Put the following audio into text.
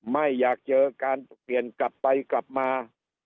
ไม่อยากเจอการเปลี่ยนกลับไปกลับมา